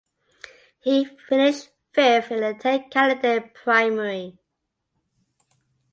He finished fifth in the ten candidate primary.